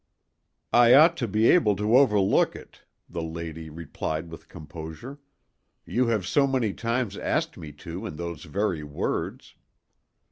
"I ought to be able to overlook it," the lady replied with composure; "you have so many times asked me to in those very words."